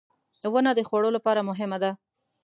• ونه د خوړو لپاره مهمه ده.